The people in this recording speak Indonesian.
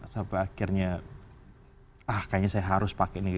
sampai akhirnya ah kayaknya saya harus pakai ini